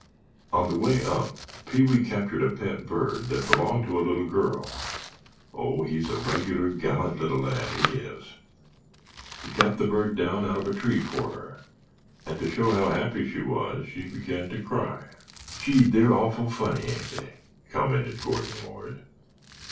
"On the way up Pee wee captured a pet bird that belonged to a little girl (oh, he's a regular gallant little lad, he is); he got the bird down out of a tree for her and to show how happy she was she began to cry." "Gee, they're awful funny, ain't they?" commented Gordon Lord.